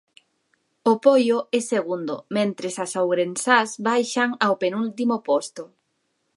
O Poio é segundo, mentres as ourensás baixan ao penúltimo posto.